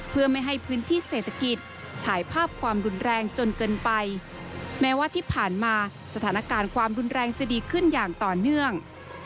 เพื่อไม่ให้พื้นที่เศรษฐกิจฉายภาพความรุนแรงจนเกินไปแม้ว่าที่ผ่านมาสถานการณ์ความรุนแรงจะดีขึ้นอย่างต่อเนื่อง